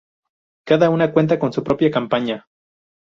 Cada una cuenta con su propia campaña.